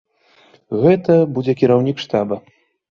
Гэта будзе кіраўнік штаба.